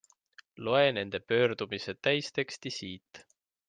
Loe nende pöördumise täisteksti siit.